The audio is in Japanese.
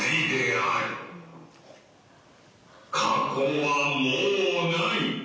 過去はもうない。